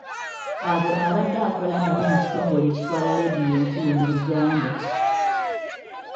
Abo abadde akola nabo mu kitongole ekitwala leediyo enkulu mu Uganda.